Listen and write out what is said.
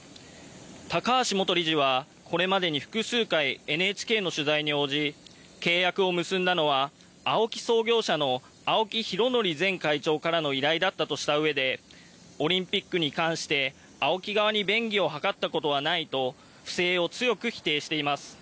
高橋元理事はこれまでに複数回、ＮＨＫの取材に応じ契約を結んだのはＡＯＫＩ創業者の青木拡憲前会長からの依頼だったとしたうえでオリンピックに関してＡＯＫＩ側に便宜を図ったことはないと不正を強く否定しています。